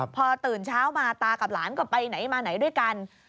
พอตื่นเช้ามาตากับหลานก็ไปไหนมาไหนด้วยกัน